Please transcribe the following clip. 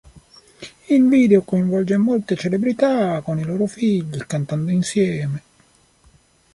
Il video coinvolge molte celebrità con i loro figli, cantando insieme.